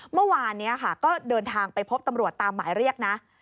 เมื่อวานนี้ค่ะก็เดินทางไปพบตำรวจตามหมายเรียกนะ